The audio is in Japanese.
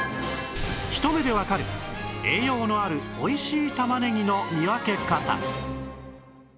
ひと目でわかる栄養のあるおいしい玉ねぎの見分け方